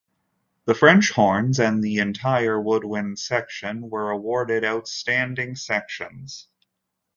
The French Horns and the entire Woodwind Section were awarded Outstanding Sections.